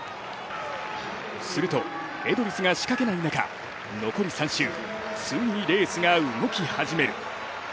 するとエドリスが仕掛けない中、残り３周、ついにレースが動き始める。